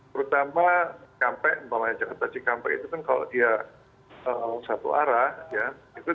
pertama kampek bapak majak ketasi kampek itu kan kalau dia berada di jawa tengah jawa timur